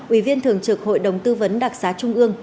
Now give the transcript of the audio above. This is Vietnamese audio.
ủy viên thường trực hội đồng tư vấn đặc xá trung ương